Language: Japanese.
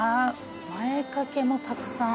前掛けもたくさん。